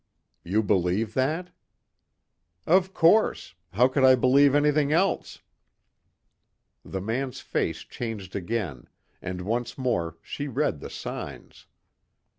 "You believe that?" "Of course. How could I believe anything else?" The man's face changed again, and once more she read the signs.